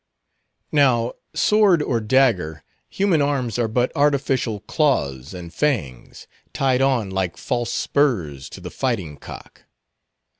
Now, sword or dagger, human arms are but artificial claws and fangs, tied on like false spurs to the fighting cock.